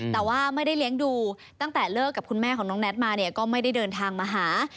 แต่ว่าไม่ได้เลี้ยงดูตั้งแต่เลิกกับคุณแม่ของน้องแท็ตมาเนี่ยก็ไม่ได้เดินทางมาหา